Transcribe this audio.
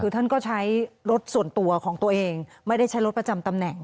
คือท่านก็ใช้รถส่วนตัวของตัวเองไม่ได้ใช้รถประจำตำแหน่ง